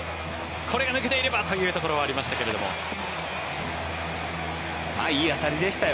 これが抜けていればというところはありましたがいい当たりでしたよ。